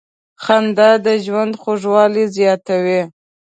• خندا د ژوند خوږوالی زیاتوي.